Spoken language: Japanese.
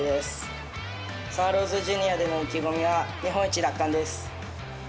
スワローズジュニアでの意気込みは日本一奪還です。